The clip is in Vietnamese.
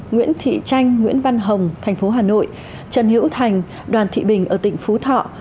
nguyễn thị tranh nguyễn văn hồng thành phố hà nội trần hữu thành đoàn thị bình ở tỉnh phú thọ